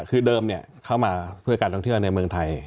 คือเดิมเข้ามาเพื่อการท่องเที่ยวในเมืองไทย